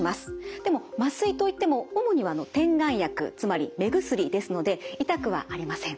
でも麻酔と言っても主には点眼薬つまり目薬ですので痛くはありません。